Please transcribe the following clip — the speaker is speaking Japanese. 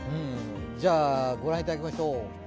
じゃあ、ご覧いただきましょう。